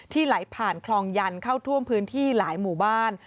ไหลผ่านคลองยันเข้าท่วมพื้นที่หลายหมู่บ้าน